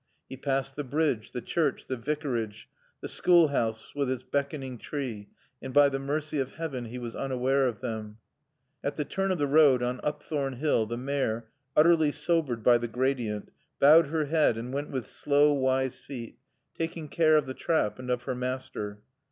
He passed the bridge, the church, the Vicarage, the schoolhouse with its beckoning tree, and by the mercy of heaven he was unaware of them. At the turn of the road, On Upthorne hill, the mare, utterly sobered by the gradient, bowed her head and went with slow, wise feet, taking care of the trap and of her master.